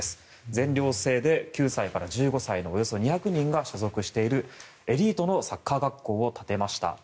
全寮制で９歳から１５歳までのおよそ２００が所属しているエリートのサッカー学校を建てました。